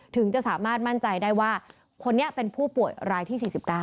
ถึงจะสามารถมั่นใจได้ว่าคนนี้เป็นผู้ป่วยรายที่๔๙